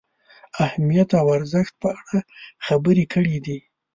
اهمیت او ارزښت په اړه خبرې کړې دي.